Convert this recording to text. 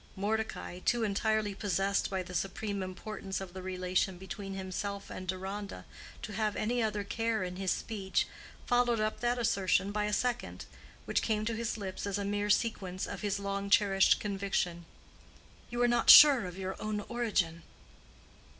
Mordecai, too entirely possessed by the supreme importance of the relation between himself and Deronda to have any other care in his speech, followed up that assertion by a second, which came to his lips as a mere sequence of his long cherished conviction—"You are not sure of your own origin."